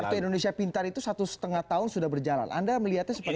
kartu indonesia pintar itu satu setengah tahun sudah berjalan anda melihatnya seperti apa